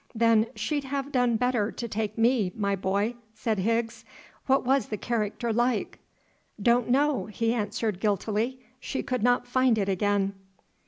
"Then she'd have done better to take me, my boy," said Higgs. "What was the character like?" "Don't know," he answered guiltily. "She could not find it again."